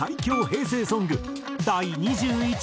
平成ソング第２１位は。